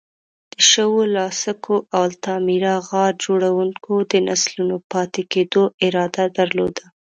د شووه، لاسکو او التامیرا غار جوړونکو د نسلونو پاتې کېدو اراده درلوده.